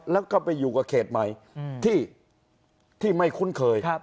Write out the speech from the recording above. แล้วก็ไปอยู่กับเขตใหม่ที่ไม่คุ้นเคย